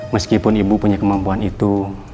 meskipun ibu punya kemampuan itu